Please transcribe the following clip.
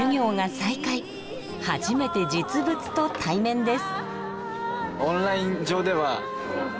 初めて実物と対面です。